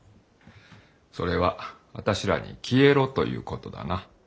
それはあたしらに消えろということだな。